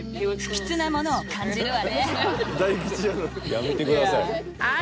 やめてください。